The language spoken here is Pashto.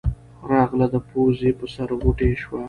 راغله د پوزې پۀ سر غوټۍ شوه